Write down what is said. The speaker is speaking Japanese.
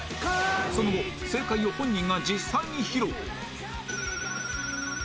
その後正解を本人が実際に披露